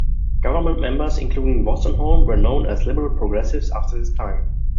Government members, including Wolstenholme, were known as "Liberal-Progressives" after this time.